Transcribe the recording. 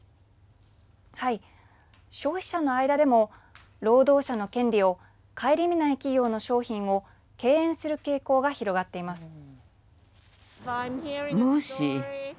消費者の間でも労働者の権利を省みない企業の商品を敬遠する傾向が広がっています。